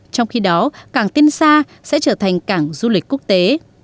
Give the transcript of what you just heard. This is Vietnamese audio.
trong khi đó cảng tiên sa sẽ trở thành cảng du lịch quốc tế